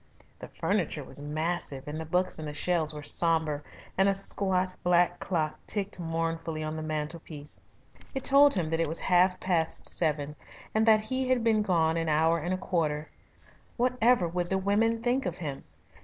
The furniture was massive, and the books in the shelves were sombre, and a squat black clock ticked mournfully on the mantelpiece. It told him that it was half past seven, and that he had been gone an hour and a quarter. Whatever would the women think of him!